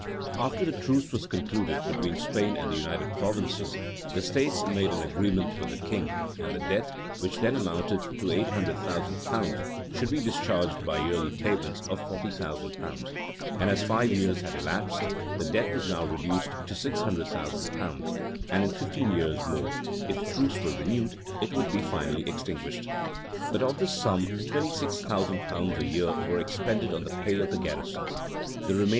[*] After the truce was concluded between Spain and the United Provinces, the states made an agreement with the king, that the debt, which then amounted to eight hundred thousand pounds, should be discharged by yearly payments of forty thousand pounds; and as five years had elapsed, the debt was now reduced to six hundred thousand pounds; and in fifteen years more, if the truce were renewed, it would be finally extinguished.[] * Rymer, tom. xvi. p. 341. Winwood, vol. ii. p. 351. Sir Dudley Carleton's Letters, p.